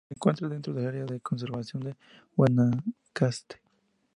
Se encuentra dentro del Área de Conservación de Guanacaste.